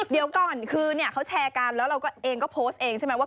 เดี๋ยวก่อนคือเนี่ยเขาแชร์กันแล้วเราก็เองก็โพสต์เองใช่ไหมว่า